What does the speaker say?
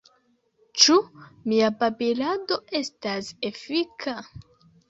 Ĉu mia babilado estas efika?